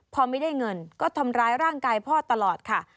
พอไม่ได้เงินก็ทำร้ายร่างกายพ่อตลอดค่ะ